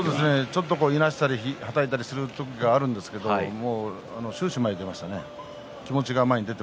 いなしたり、はたいたりすることもあるんですが終始、前に出てましたね。